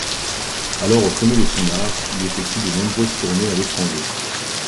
Alors au sommet de son art, il effectue de nombreuses tournées à l'étranger.